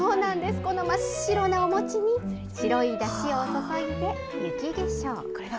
この真っ白なお餅に、白いだしを注いで、雪化粧。